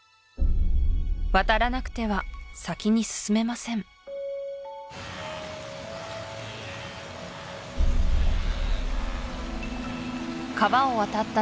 渡らなくては先に進めません川を渡った